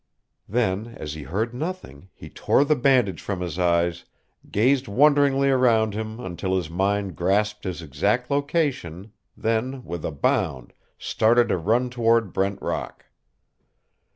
Then, as he heard nothing, he tore the bandage from his eyes, gazed wonderingly around him until his mind grasped his exact location, then, with a bound, started to run toward Brent Rock.